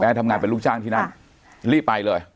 ทำงานเป็นลูกจ้างที่นั่นรีบไปเลย